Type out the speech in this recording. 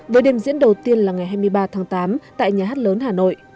với đêm diễn đầu tiên là ngày hai mươi ba tháng tám tại nhà hát lớn hà nội